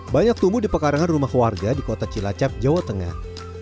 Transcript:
banyak tumbuh di pekarangan rumah warga di kota cilacap jawa tengah